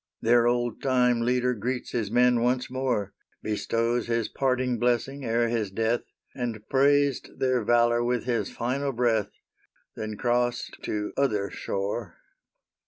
Their old time leader greets his men once more, Bestows his parting blessing ere his death, And praised their valor with his final breath, Then crossed to other shore.